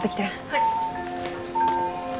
はい。